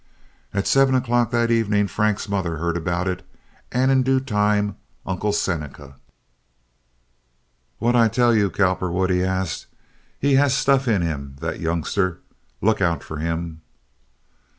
At seven o'clock that evening Frank's mother heard about it, and in due time Uncle Seneca. "What'd I tell you, Cowperwood?" he asked. "He has stuff in him, that youngster. Look out for him."